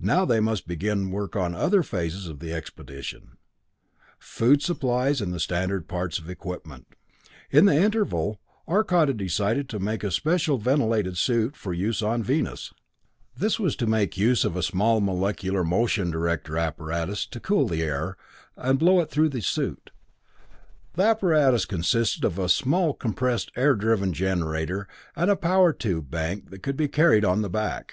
Now they must begin work on other phases of the expedition food supplies and the standard parts of the equipment. In the interval Arcot had decided to make a special ventilated suit for use on Venus. This was to make use of a small molecular motion director apparatus to cool the air, and blow it through the suit. The apparatus consisted of a small compressed air driven generator and a power tube bank that could be carried on the back.